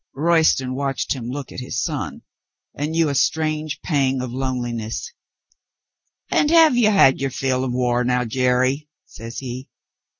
Royston watched him look at his son, and knew a strange pang of loneliness. "And have you had your fill of war now, Jerry ?" says he.